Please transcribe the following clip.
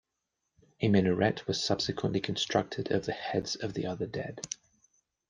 A minaret was subsequently constructed of the heads of the other dead.